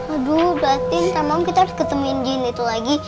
aduh berarti ntar mau kita ketemuin jin itu lagi